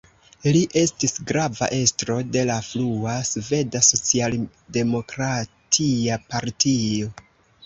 Li estis grava estro de la frua Sveda socialdemokratia partio.